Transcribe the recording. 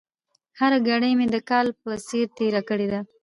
هره ګړۍ مې د کال په څېر تېره کړې ده.